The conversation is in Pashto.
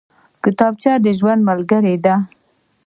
کتابچه د ژوند ملګرې ده